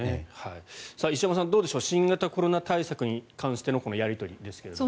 石山さん、どうでしょう新型コロナ対策に関してのこのやり取りですけれど。